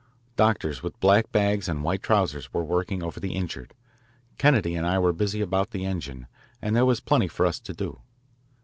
Doctors with black bags and white trousers were working over the injured. Kennedy and I were busy about the engine, and there was plenty for us to do.